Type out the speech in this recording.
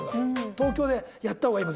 東京でやったほうがいいわ。